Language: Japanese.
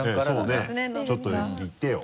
ちょっといってよ。